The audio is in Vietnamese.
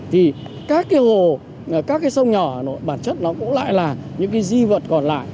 thì các cái hồ các cái sông nhỏ bản chất nó cũng lại là những cái di vật còn lại